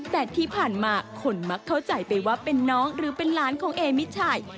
แต่ที่ผ่านมาคนมักเข้าใจไปว่าเป็นน้องหรือเป็นหลานของเอมิชัย